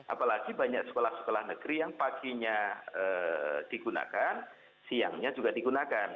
apalagi banyak sekolah sekolah negeri yang paginya digunakan siangnya juga digunakan